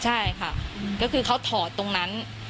ใช่ค่ะก็คือเขาถอดตรงนั้น